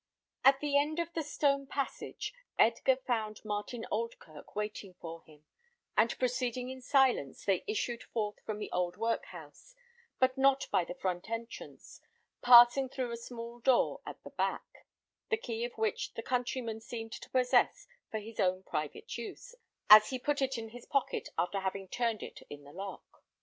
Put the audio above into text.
At the end of the stone passage, Edgar found Martin Oldkirk waiting for him; and proceeding in silence, they issued forth from the old workhouse, but not by the front entrance, passing through a small door at the back, the key of which the countryman seemed to possess for his own private use, as he put it in his pocket after having turned it in the lock.